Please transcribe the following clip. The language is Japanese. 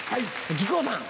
木久扇さん。